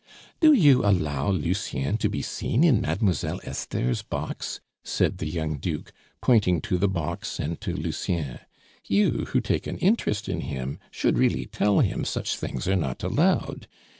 "Do you allow Lucien to be seen in Mademoiselle Esther's box?" said the young Duke, pointing to the box and to Lucien; "you, who take an interest in him, should really tell him such things are not allowed.